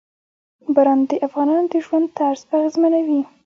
باران د افغانانو د ژوند طرز اغېزمنوي.